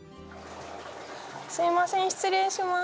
すみません失礼します。